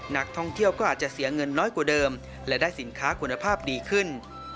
นักท่องเที่ยวก็อาจจะเสียเงินน้อยกว่าเดิมและได้สินค้าคุณภาพดีขึ้น